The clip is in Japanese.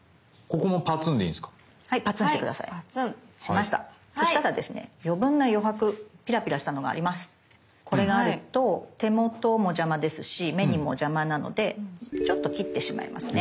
これがあると手元も邪魔ですし目にも邪魔なのでちょっと切ってしまいますね。